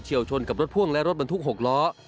เฉี่ยวชนกับรถพวงและรถบรรทุกหกล้อก่อน